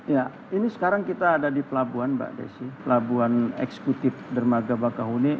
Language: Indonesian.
ya ini sekarang kita ada di pelabuhan mbak desi pelabuhan eksekutif dermaga bakahuni